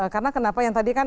karena kenapa yang tadi kan